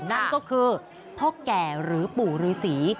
นั่นก็คือพ่อแก่หรือปู่ฤษี